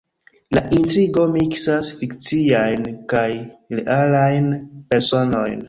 La intrigo miksas fikciajn kaj realajn personojn.